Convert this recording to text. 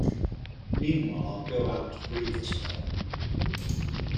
Meanwhile I'll go out to breathe a spell.